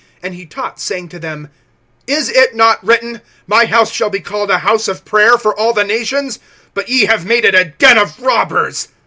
(17)And he taught, saying to them: Is it not written: My house shall be called a house of prayer for all the nations? But ye have made it a den of robbers.